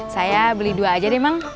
saya beli dua aja deh emang